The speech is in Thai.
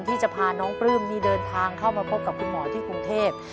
ที่จะพาน้องปลื้มนี่เดินทางเข้ามาพบกับคุณหมอที่กรุงเทพ